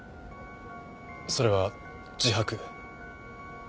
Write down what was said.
それは自白？